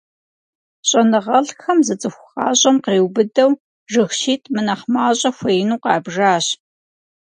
ЩӀэныгъэлӀхэм зы цӀыху гъащӀэм къриубыдэу жыг щитӀ мынэхъ мащӀэ хуеину къабжащ.